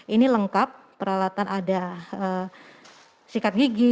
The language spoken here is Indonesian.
ini lengkap peralatan ada sikat gigi